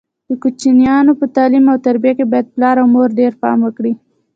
د کوچنیانو په تعلیم او تربیه کې باید پلار او مور ډېر پام وکړي.